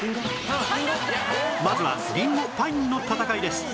まずはりんごパインの戦いです